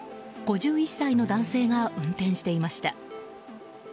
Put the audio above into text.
５１歳の男性が運転していました。